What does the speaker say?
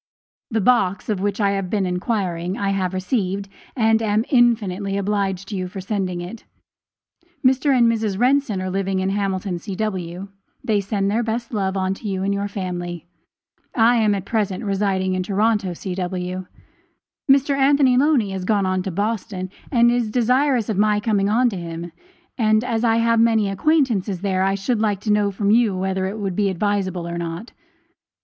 The box, of which I had been inquiring, I have received, and am infinitely obliged to you for sending it. Mr. and Mrs. Renson are living in Hamilton, C.W. They send their best love to you and your family. I am at present residing in Toronto, C.W. Mr. Anthony Loney has gone on to Boston, and is desirous of my coming on to him; and as I have many acquaintances there, I should like to know from you whether it would be advisable or not.